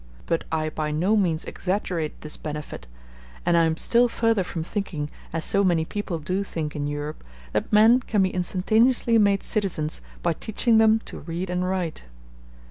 But I by no means exaggerate this benefit, and I am still further from thinking, as so many people do think in Europe, that men can be instantaneously made citizens by teaching them to read and write.